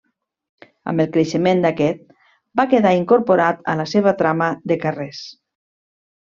Amb el creixement d'aquest, va quedar incorporat a la seva trama de carrers.